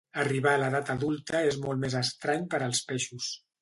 Arribar a l'edat adulta és molt més estrany per als peixos.